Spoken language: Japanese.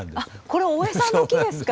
これ大江さんの木ですか？